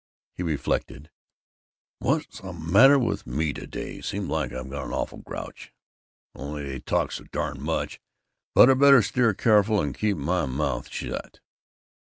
He reflected, "What's the matter with me to day? Seems like I've got an awful grouch. Only they talk so darn much. But I better steer careful and keep my mouth shut."